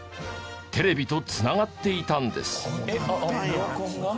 テレビと繋がっていたんです。